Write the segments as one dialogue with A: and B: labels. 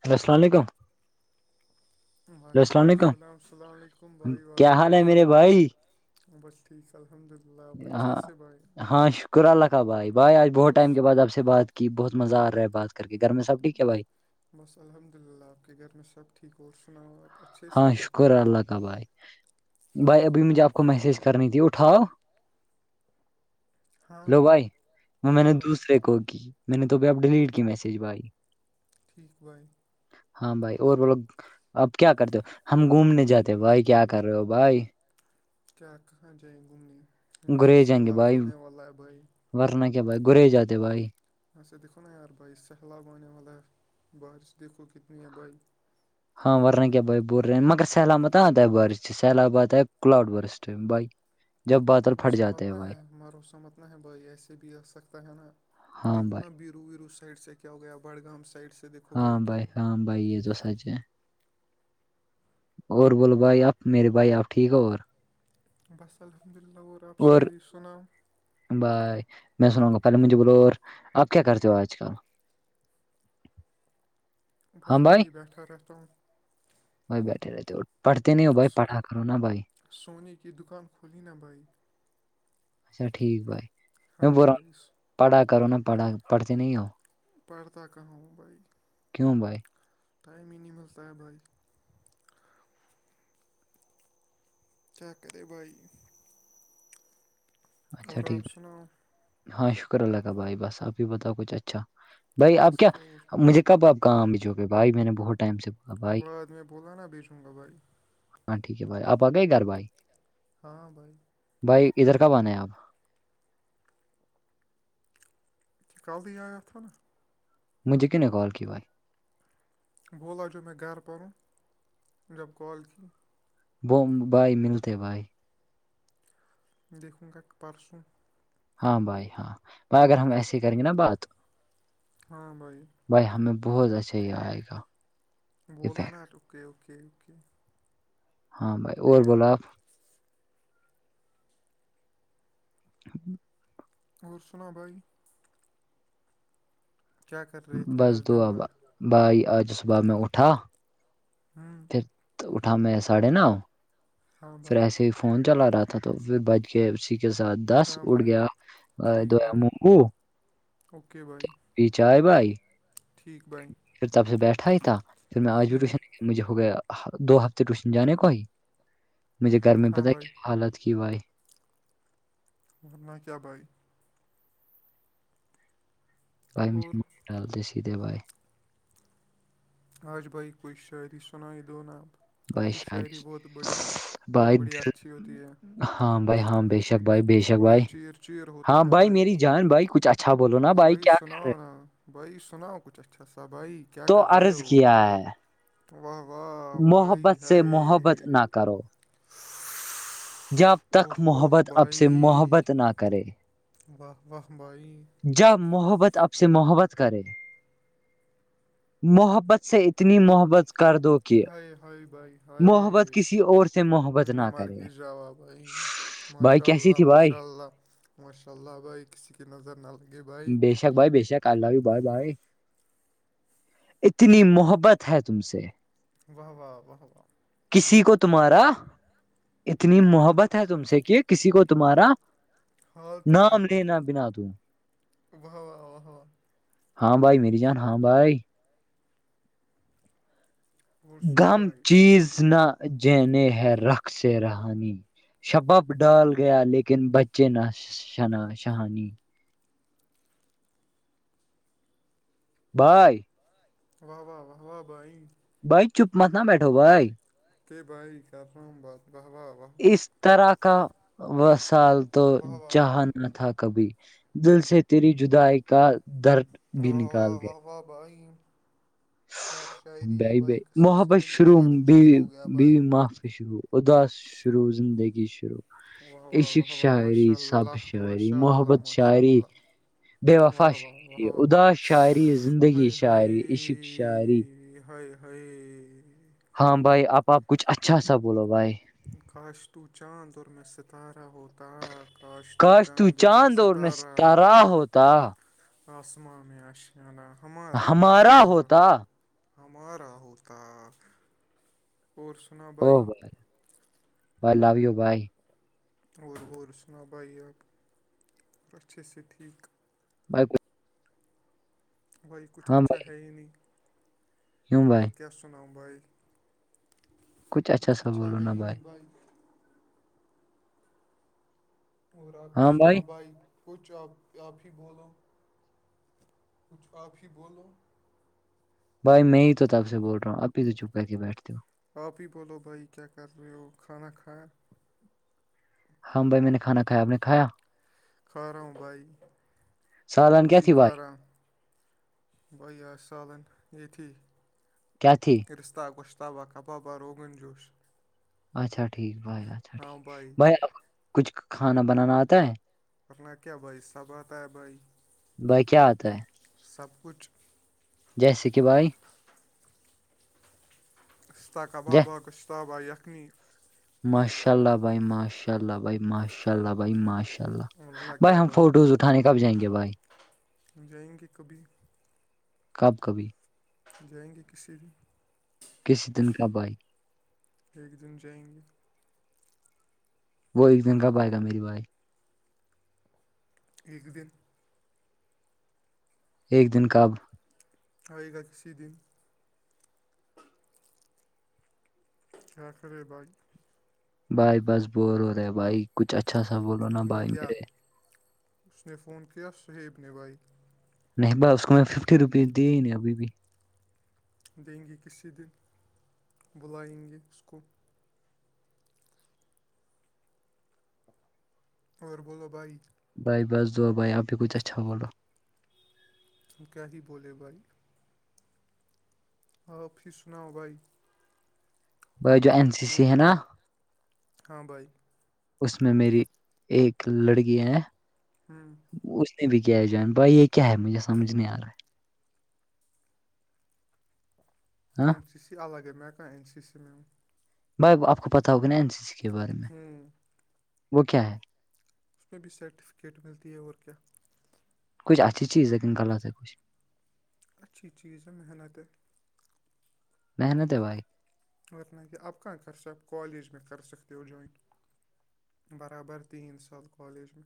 A: hello السلام علیکم
B: وعلیکم السلام السلام علیکم بھائی
A: کیا
B: وعلیکم
A: حال ہے میرے بھائی
B: السلام وبہ
A: ہاں ہاں شکر اللہ کا بھائی بھائی آج بہت
B: اور
A: ٹائم کے بعد آپ سے بات کہ بہت مزہ آ رہا ہے بات کر کے گھر میں سب ٹھیک ہے بھائی
B: بس الحمد للہ اپ کے گھر میں سب ٹھیک اور سناؤ آپ اچھے سے
A: ہاں
B: ہو
A: شکر اللہ کا بھائی بھائی ابھی مجھے آپ کو میسج کرنی تھی اٹھاؤ
B: ہاں
A: ہلو بھائی وہ میں نے
B: ہاں بھائی
A: دوسرے کو کی میں نے تو پہ اب ڈیلیٹ کی میسج بھائی
B: ٹھیک بائے
A: ہاں بھائی اور بولو اب کیا کرتے ہو ہم گھومنے جاتے ہو بھائی کیا کر رہے ہو بھائی
B: کیا کہاں جائیں گھومنے یہاں سے
A: گریے جائیں گے
B: سہلاب
A: بھائی
B: چلنے والا ہے بھائی
A: ورنہ کیا بھائی گرے ہی جاتے بھائی
B: ایسے دیکھو نا یار بھائی سہلاب آنے والا ہے بارش دیکھو کتنی ہے بھائی
A: ہاں ورنہ کیا بائی بول رہے ہیں مگر سلامت آتا بار سیلاباد ہے کلاؤڈ برسٹ بائی
B: بھروسہ متنا ہے مھروسہ متنا ہے بھائی ایسے بھی آ سکتا ہے نا
A: ہاں
B: دیکھو نا
A: بھائی
B: بی ویرو سائڈ سے کیا ہویا بڑگام سائڈ سےیکھو بھائی کیا ہو گیا
A: بھای ہے جوسچ اور بولو بھائی آپ میرے بھائی آپ ٹھیک ہو اور
B: بس الحمد للہ ر آاب س شاعری سونام
A: بائی میں سناوںں گا پہلے مجھے بولو اور آپ کیا کرتے ہو آج کل [inaudible]
B: بس
A: ہاں
B: وہ ہی بیٹھا رہتا ہوں
A: بھای بیٹے رہتے پڑھتے نہیں ہو بھائی
B: سو
A: پٹھا کرو نا بھائی
B: سونے کی دکان کھولی نا بھائی
A: اچھا ٹھیک بھائی میں
B: ہاں
A: ب
B: بھائی س-
A: پڑھا کرو نہ پڑھا پڑھتے نہیں آ
B: پڑھتا کہاں بھائی
A: کیوں بھائی
B: ائم ہی نہیںمحس ط بھائی چکتے بھائی
A: اچھا
B: اور
A: ٹھیک
B: آپ سناؤ
A: ہاں شکر اللہ کا بھائی بس آپ بھی بتاؤ کچھ اچھا بھائی آپ
B: بس
A: کیا
B: وہ
A: مجھے کب آپ کامج گے بھائی میں نے بہت ٹائم سے بھائی
B: بعد میں بوول نا بیچوں گا بھائی
A: ہاں ٹھیک ہے بھائی آ گئے گھر بھائی
B: ہاں بھائی
A: بھائی ادھر کب آنا ہیں آپ
B: [inaudible]
A: مجھے کی نے کال کی بھائی
B: بولالا جو میں گھر پروں جب کال کی
A: بھائی ملتے
B: دیکھوں گا پرسوں
A: ہاں بھائی ہاں بھائی اگر ہم ایسے ہی کریں گے نا بات
B: ہاں بھائی [unintelligible]
A: بھائی ہمیں بہت اچھا یہ آئے گا
B: بول آنا
A: افیکٹ
B: آر اوکے اوکے اوکے
A: ہاں بھائی اور بولا آپ ہ [inaudible]
B: اور سنا بھائی کیا کر رہے تھے
A: بس
B: آج دن
A: دعاب
B: بھر
A: بھائی آج صبح میں اٹھا
B: ہاں [inaudible]
A: تو اٹھا میں ساڑھے نو
B: ہاں
A: پھر
B: بھائی
A: ایسے فون چلا رہا تھا تو پھر بچ گ سیکھ کے ساتھ دس
B: ہاں
A: اٹ
B: بھائی
A: گیا دو
B: ٹھیک بھائی
A: مگو
B: اوکے بائی [unintelligible]
A: چائے بائی
B: بھائی
A: پھر تب سے بیٹھا ہی تھا پھر میں آج بھی
B: ہوں
A: ٹیوشن مجھے ہو گیا دو ہفتے ٹیوشن جانے کو ہی مجھے گھر میں
B: ہاں
A: پت ہے
B: بھائی
A: کیا حالت کی بائی
B: ورنہ کیا بھائی [unintelligible]
A: بھائی مجے
B: اور
A: م ڈالتے سھے بھائی
B: آاش بھائ کوئی شاعری س نائی د ناب آپ
A: بھائی
B: کی
A: شاید
B: شاعری بہت بڑی بہت
A: بھائی
B: بڑی اچھی ہوتی ہے
A: ہاں بھائی ہاں ب ش شک بھائی بےشک
B: دل
A: بھائی
B: چیر چیر ہوتا
A: ہاں
B: ہے
A: بھائی میری جان بھائی کچھ اچھا بولو نا بھائی کیا کر
B: سناؤ
A: رہے
B: نا بھائی سناؤ کچھ اچھا سا بھائی کیا
A: تو
B: کر رہے
A: عرض
B: ہو وہ
A: کیا
B: [unintelligible]
A: ہے
B: واہ واہ بھائی
A: محبت سے
B: ہےائے
A: محبت نہ کرو [unintelligible] جب
B: اوہ
A: تک
B: اوہ
A: محبت اب سے
B: بھائی
A: محبت نہ کرے
B: واہ واہ بھائی
A: جا محبت اب سے محبت کرے محبت سے اتنی محبت کر دو کہ
B: ہائے ہائے بھائی ہائے
A: محبت کسی اور سے
B: ت
A: محبت نہ
B: میں مار
A: کرے
B: کی جاب بھائی
A: بھائی
B: ماشاء
A: کیسی
B: اللہ
A: تھی بھائی
B: ماشاء اللہ ماشاء اللہ بھائی کسی کی نظر نہ لگے بھائی
A: ب شاک بائی بشک [unintelligible] ک لائی بھائی بھائی اتنی محبت ہے تم سے
B: و واہ واہ و [unintelligible]
A: کسی کو تمہارا اتنی محبت ہے تم سے کہ کسی کو تمہارا
B: حال
A: نام لینا بنا دوں
B: وہ وا وہ وا [unintelligible]
A: ہاں بھائی میری جان ہاں بھائی
B: اور سنا
A: غم
B: بھائی
A: چیز نہ جنے ہے رق سے رہانی شبب ڈال گیا لیکن بچے نہ شنا شہانی بھائے
B: واہ واہ واہ واہ بھائی
A: بھائی چپ مت نہ بیٹھو بھائی [unintelligible]
B: کہ بائی کا رام بات واہ واہ واہ واہ
A: اس طرح کا وسال تو
B: واہ واہ
A: جہان نہ تھا کبھی دل سے تیری جدائی کا درد بھی نکال گئے
B: وابائ کیا شاعری ہے بھائی قسم سے
A: محبت
B: دل
A: شروع
B: چیر چیر ہو گیا بھائی
A: معاف سے شروع ادا شروع زندگی شروع
B: واہ واہ
A: عشق
B: واہ واہ
A: شاعری
B: ماشاء
A: سب
B: اللہ
A: شاعری
B: ماشاء اللہ
A: محبت
B: ماشاء
A: شاعری
B: اللہ
A: بے
B: واہ
A: وفاش
B: واہ واہ
A: شاعری
B: واہ
A: ادا شاعری زندگی
B: ہائے
A: شاعری عشق شاعری
B: ٹ
A: ہاں بھائی آپپ کچھ اچھا سا بولو بھائی
B: کاشتو چاند طور م میں ست ستارہ ہوتا کاش تو چاندور میں ستارہ آسماں میں آشیانہ ہمارا ہوتا ہمارا ہوتا اور سنا با
A: ا bye bye love you bye
B: اور اور سنا بھائی آپ اور اچھے سے ٹھیک
A: ب
B: بھائی کچھ
A: ہاں
B: اچھا
A: بھائی
B: ہے ہی نہیں
A: کیوں
B: اور
A: بھائی
B: کیا سناؤوں بھائی کچھ اچھا ہے ہی نہیں بھائی اور آپ ہی سنا بھائی کچھ آپ آپ ہی بولو کچھ آپ ہی بولو
A: بھائی میں ہی تو تب سے بول رہا ہوں اب ہی تو چپ کر کے بیٹھتی ہو
B: آپ ہی بولو بھائی کیا کر رہے ہو کھانا کھا
A: ہاں بھائی میں نے کھانا کایاپ نے کھیا
B: کھارا بھائی
A: سالن
B: اورب
A: کیا تھی بھائی
B: کھارا بائییا سالن یتھی
A: کیا تھی
B: رستہ گشت کتابہ کبابہ روغن جوش
A: اچھا ٹھیک بھائی اچھا ٹھیک بھائی اب کچھ کھانا بنانا آتا ہے
B: ورنہ کیا بھائیصہ بتا ہے بھائی
A: بھائی کیا آتا ہے
B: سب کچھ
A: جیسے کہ بھائی
B: اشتاق کا
A: جے
B: بابا گشتاابہ یخنی
A: ماشاء اللہ بھائی ماشاء اللہ بائی ماشاء اللہ بھائی ماشاء اللہ اناء اللہ
B: ورنہ
A: بھائی
B: کیا
A: ہم فوٹوز اٹھانے کب جائیں گے بھائی
B: جائیں گے کبھی
A: کب کبھی
B: جائیں گے کسی
A: کسی دن کا بھائی
B: ایک دن جائیں گے
A: وہ ایک دن کاب آائے تھا میری بھائی
B: ایک دن
A: ایک دن کاب
B: اور ایک گا کسی دن [inaudible]
A: بھائی بس بور ہو رہے بھائی کچھ اچھا سا بولو نا
B: ورنہ
A: بھائی
B: کیا
A: میرے
B: اس نے فون کیا س ہیب نے بھائی
A: نہیں با اس کو میں ففٹی روپیز دی ہی نہیں ابھی بھی
B: دیں گے کسی دن بلائیں گے اس کو اور بولو بھائی
A: بھائی بس دا بھائی آپ بھی کچھ اچھا بولو
B: ہم کیا ہی بولے بھائی ہف ہی سناؤ بھائی
A: جو این سی سی ہے نا
B: ہاں بھائی
A: اس میں میری ایک لڑکی ہیں
B: [inaudible]
A: اس نے بھی کیا ہے جوان بھائی یہ کیا ہے مجھے سمجھ نہیں آ رہا ہے ہے ہاں
B: اینم سی الگ ہے میں کا این سی میںوں
A: بھائی آپ کو پتا ہوگاین سی سی کے بارے میں
B: ہوں
A: وہ کیا ہے
B: اس میں بھی سرٹیفکیٹ ملتی ہے اور کیا
A: کچھ اچھی چیز ہے کہن غلط ہے کچھ
B: اچھی چیز ہے محنتیں
A: محنت ہے بھائی
B: ورتنہ کہ آپ کہاں خرچ آپ کالج میں کر سکتے ہو جوائن برابر تین سال کالج میں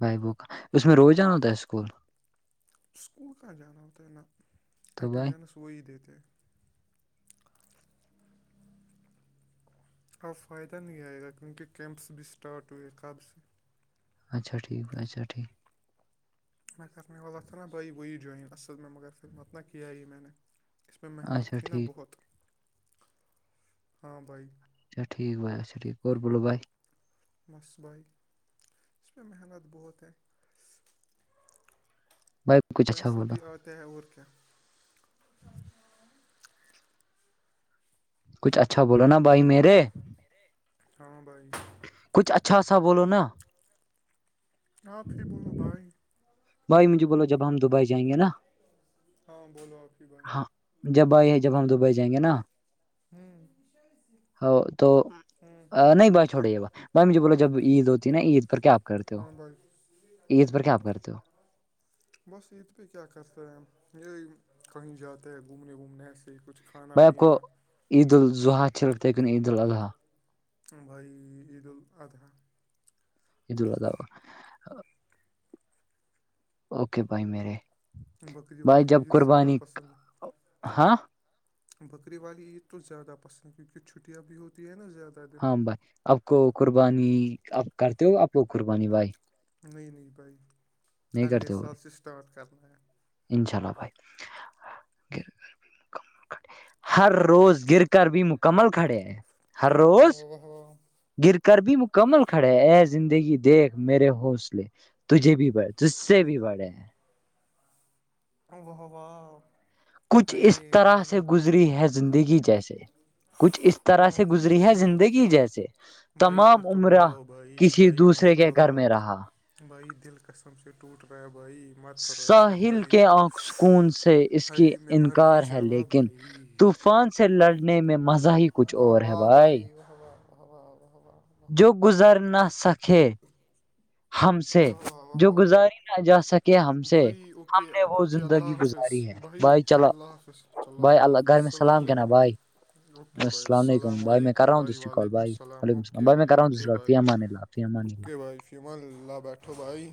A: بھائی بو کا اس میں روزانا ہو تھا اسکول
B: اسکول کہاں جانا ہوتا ہے نہا
A: تو بھائی
B: اٹینڈینس وہی دیتے اب فائدہ نہیں آئے گا کیونکہ کیمپس بھی اسٹارٹ ہوئے کاب سے
A: اچھا ٹھیک اچھا ٹھیک
B: میں کر غات دائی وہ جائن اصل میں مگر پھر مت نہ ک یہ نے اس میںہ محنت
A: اچھا
B: تھی نا
A: ٹھیک
B: بہت ہاں بھائی
A: اچا ٹھیک بائی اچا ٹھ ک بل بائے [unintelligible]
B: مس بائی اس میں محنت بہت ہے
A: بھائی کچھ اچھا
B: پیسے
A: بولو
B: بھی آتے ہیں اور کیا
A: کچھ اچھا بولو نا بھائی میرے
B: ہاں بھائی
A: کچھ اچھا خاصا بولو نا
B: آپ ہی بولو بھائی
A: بھائیجھے بو جبام [unintelligible]
B: ہاں بولو آپ کی بھائی
A: ہاں
B: [unintelligible]
A: جب آئی ہے جب ہم دبئی جائیں گے نا
B: ہوں [unintelligible]
A: ہ تو [unintelligible]
B: ہوں
A: نہیں بھائی چھوڑے یہ با بھائی مجھے بولو جب عید ہوتی ہے نا عید پر کیا آپ کرتے ہو
B: ہاں بھائی
A: عید پر کیا آپ کرتے ہو
B: بس عید پہ کیا کرتے ہیں یہی کہیں جاتے ہے گھومنے وومنے ایسے ہی کچھ کھانا
A: اپ کو
B: پینا
A: عید الضحی سے ہوتا ہے کہ نہیں عید الاض
B: [unintelligible]
A: ا اللہ [unintelligible] اوکے بھائی میرے
B: بکری
A: بھائی
B: والادی
A: جب
B: عید زیادہ
A: قربانی
B: پسند
A: ہاں
B: بکری والی عید تو زیادہ پسند ہے کیونکہ چھٹیاں بھی ہوتی ہیں نا زیادہ دن
A: ہاں بھائی آپ کو قربانی آپ کرتے ہو آپ کو قربانی بھائی
B: نہیںئی نہیں بائی
A: نہیں
B: اگلے
A: کرتے ہو
B: سال
A: بھائی
B: سے اسٹارٹ کرنا ہے
A: انشاء اللہ بھائی ہر روز گر کر بھی مکمل کھڑے ہیں ہر
B: واہ
A: روز
B: واہ واہ
A: گر کر بھی مک کمل کھڑے اے زندگی دیکھ میرے حوصلے تجے بھی بڑے تج سے بھی بڑے ہیں
B: و و وا
A: کچھ اس طرح سے گزری ہے زندگی جیسے کچھ اس طرح سے گزری ہے
B: بھائی
A: زندگی جیسے
B: بھائی
A: تمام
B: مت
A: عمرہ
B: رلاؤ بھائی
A: کسی
B: بھائی
A: دوسرے
B: مت
A: کے گھر
B: رلاؤ
A: میں رہا
B: بھائی دل قسم سے ٹوٹ رہا ہے بھائی مت کرو ایسا
A: ساحل
B: بھائی
A: کے آنکھ سکون سے اس کی
B: ہائی میں مر ہی
A: انکار ہے
B: جاوا
A: لیکن
B: بھائی
A: ت فان سے لڑنے میں مزہ ہی کچھ اور ہے بھائی
B: [unintelligible] وہ وہ واہ واہ
A: جو گزر نہ سکے ہم سے
B: واہ واہ واہ
A: جو
B: واہ
A: گزاری نہ جا سکے ہم سے
B: بھائی اوکے
A: ہم نے وہ
B: اوکے اللہ
A: زندگی
B: حافظ
A: گزاری ہے
B: بھائی اوکے
A: چلا
B: اللہ حافظ چلو
A: بھائی
B: اللہ حافظ
A: گھر میں
B: السلام
A: سلام کہنا بھائی
B: علیکم اوکے بھائی السلام
A: بھائی میں کر
B: علیکم
A: رہا ہوں
B: بھائی
A: دوسری کال
B: وعلیکم
A: بھائی
B: السلام
A: وعلیکم
B: اوکے
A: میں
B: بھائی
A: کر رہا ہوں
B: اوکے
A: دوسری کال
B: بھائی
A: فی امان اللہ فی امان اللہ
B: اوکے بھائی فیما للہ بیٹھو بھائی